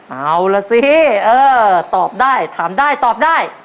เอาล่ะสิเออตอบได้ถามได้ตอบได้